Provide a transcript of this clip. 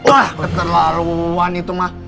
wah keterlaruan itu mah